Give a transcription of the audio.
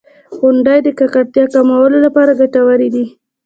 • غونډۍ د ککړتیا کمولو لپاره ګټورې دي.